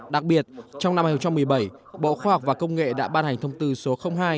đặc biệt trong năm hai nghìn một mươi bảy bộ khoa học và công nghệ đã ban hành thông tư số hai hai nghìn một mươi bảy